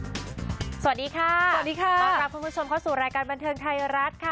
สวัสดีค่ะสวัสดีค่ะต้อนรับคุณผู้ชมเข้าสู่รายการบันเทิงไทยรัฐค่ะ